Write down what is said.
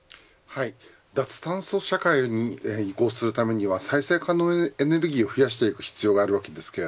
脱炭素社会に移行するためには再生可能エネルギーを増やしていく必要があるわけです。